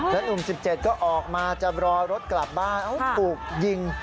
แล้วหนุ่ม๑๗ก็ออกมาจะรอรถกลับบ้านถูกยิง